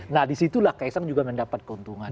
nah di situlah kaisang juga mendapat keuntungan